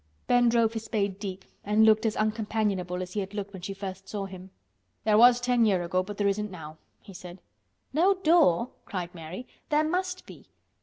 Ben drove his spade deep and looked as uncompanionable as he had looked when she first saw him. "There was ten year' ago, but there isn't now," he said. "No door!" cried Mary. "There must be."